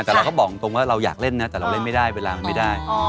แต่เราก็บอกตรงว่าเราอยากเล่นนะแต่เราเล่นไม่ได้เวลามันไม่ได้